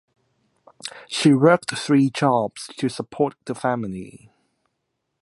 She worked three jobs to support the family.